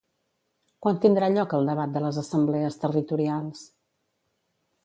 Quan tindrà lloc el debat de les assemblees territorials?